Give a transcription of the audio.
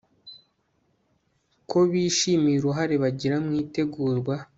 ko bishimiye uruhare bagira mu itegurwa